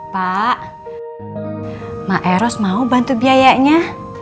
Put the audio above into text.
pak mak eros mau bantu biayanya